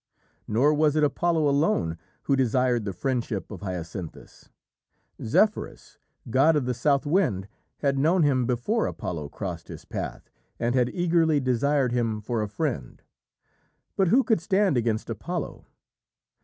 Nor was it Apollo alone who desired the friendship of Hyacinthus. Zephyrus, god of the South Wind, had known him before Apollo crossed his path and had eagerly desired him for a friend. But who could stand against Apollo?